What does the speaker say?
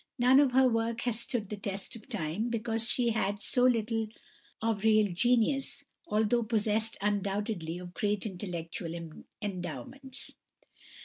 None of her work has stood the test of time, perhaps because she had so little of real genius, although possessed undoubtedly of great intellectual endowments.